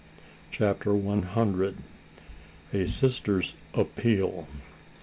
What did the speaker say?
CHAPTER ONE HUNDRED. A SISTER'S APPEAL.